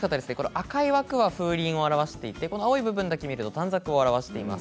赤い枠がふうりんを表していて青い部分だけ見るとたんざくを表しています。